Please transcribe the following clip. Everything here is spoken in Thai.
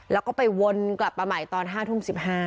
แล้วก็ไปวนกลับมาใหม่ตอน๕ทุ่ม๑๕